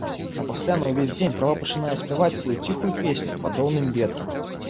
А пасля на ўвесь дзень трава пачынае спяваць сваю ціхую песню пад роўным ветрам.